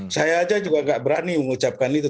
saya aja juga gak berani mengucapkan itu